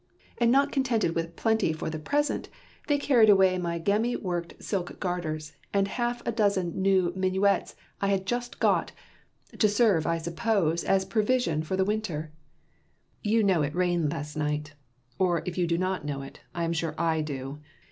And not contented with plenty for the present, they carried away my gemmy worked silk garters, and half a dozen new minuets I had just got, to serve, I suppose, as provision for the winter. "You know it rained last night, or if you do not know it, I am sure I do.